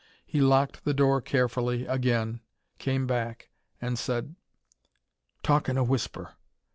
he locked the door carefully again, came back, and said: "Talk in a whisper!